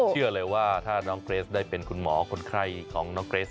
เชื่อเลยว่าถ้าน้องเกรสได้เป็นคุณหมอคนไข้ของน้องเกรส